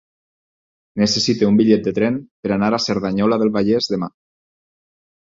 Necessito un bitllet de tren per anar a Cerdanyola del Vallès demà.